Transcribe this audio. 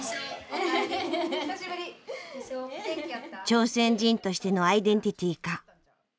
朝鮮人としてのアイデンティティーか。